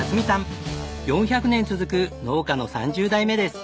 ４００年続く農家の３０代目です。